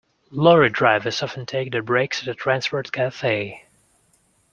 Lorry drivers often take their breaks at a transport cafe